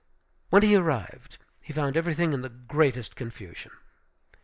When he arrived, he found everything in the greatest confusion.